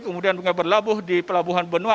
kemudian berlabuh di pelabuhan benua